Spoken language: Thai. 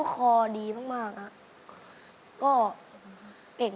กลับมาฟังเพลง